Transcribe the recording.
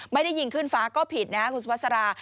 ไม่ได้ยิงขึ้นฟ้าก็ผิดนะครับคุณสุภาษา